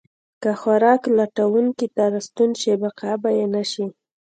که خوراک لټونکي ته راستون شي، بقا به یې نه شي.